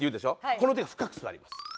この時は深く座ります。